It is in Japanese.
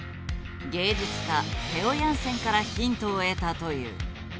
芸術家テオ・ヤンセンからヒントを得たという。